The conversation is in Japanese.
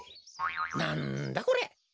なんだこれ？